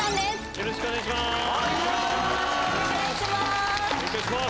よろしくお願いします！